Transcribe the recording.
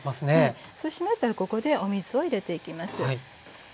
そうしましたらここでお水を入れていきます。